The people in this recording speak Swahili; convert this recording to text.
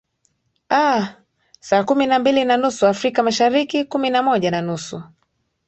aa saa kumi na mbili na nusu afrika mashariki kumi na moja na nusu